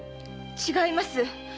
違います！